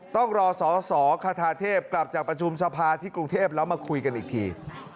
ต้องรอสอสอคาทาเทพกลับจากประชุมสภาที่กรุงเทพแล้วมาคุยกันอีกที